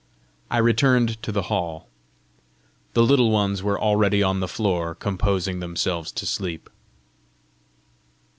I returned to the hall. The Little Ones were already on the floor, composing themselves to sleep.